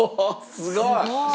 すごい！